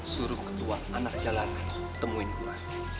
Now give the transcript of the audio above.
suruh ketua anak jalanan temuin gue